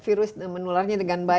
virus menularnya dengan baik ya